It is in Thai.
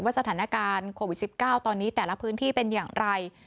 สถานการณ์โควิด๑๙ตอนนี้แต่ละพื้นที่เป็นอย่างไร